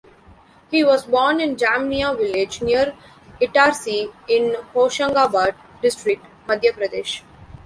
He was born in Jamnia village near Itarsi in Hoshangabad district, Madhya Pradesh.